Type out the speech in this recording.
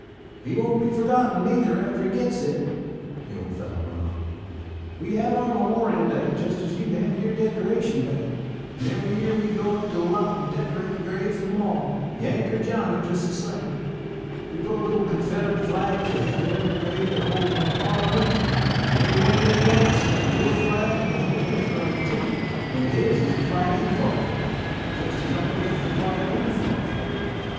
"He won't be forgotten, neither, after he gits there," the old fellow went on. "We have our Memorial Day, just as you have your Decoration Day, and every year we go up to the lot and decorate the graves of 'em all, Yank or Johnny, just the same. We put a little Confederate flag at the head of every grave that holds one of our own; and every one o' them Yanks has a little flag at the head of his grave too, only his is the flag he fought for, just as ours is the flag we fought for.